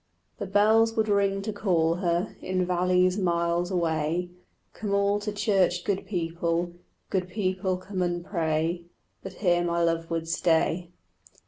The bells would ring to call her In valleys miles away: "Come all to church, good people; Good people, come and pray." But here my love would stay.